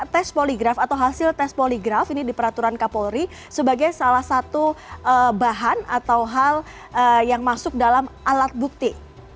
tes poligraf atau hasil tes poligraf ini di peraturan kapolri sebagai salah satu bahan atau hal yang masuk dalam alat bukti